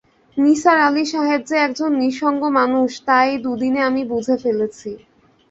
নিসার আলি সাহেব যে একজন নিঃসঙ্গ মানুষ তা এই দুদিনে আমি বুঝে ফেলেছি।